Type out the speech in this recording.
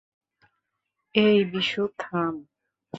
এই, বিশু থাম।